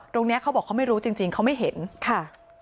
ตรงเนี้ยเขาบอกเขาไม่รู้จริงจริงเขาไม่เห็นค่ะ